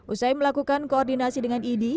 usai melakukan koordinasi dengan idi